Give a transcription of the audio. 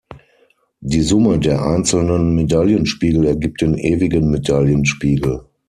Die Summe der einzelnen Medaillenspiegel ergibt den "ewigen Medaillenspiegel".